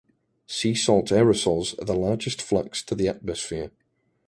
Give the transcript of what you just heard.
Sea salt aerosols are the largest flux to the atmosphere.